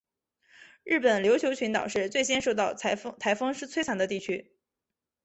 日本琉球群岛是最先受到台风摧残的地区。